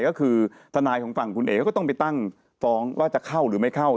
ก็คือทนายของฝั่งคุณเอ๋ก็ต้องไปตั้งฟ้องว่าจะเข้าหรือไม่เข้า